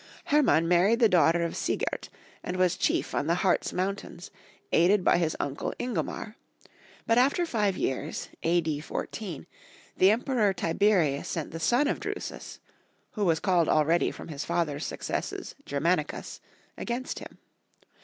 Herman married the daughter of Siegert, and was chief on the Hartz mountains, aided by his un cle Ingomar ; but after five years, a.d. 14, the Em peror Tiberius sent the son of Drusus — who waa called already, from his father's successes, German icus — against him.